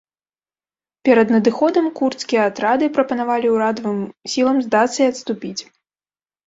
Перад надыходам курдскія атрады прапанавалі урадавым сілам здацца і адступіць.